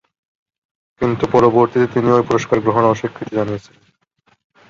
কিন্তু পরবর্তীতে তিনি ঐ পুরস্কার গ্রহণে অস্বীকৃতি জানিয়েছিলেন।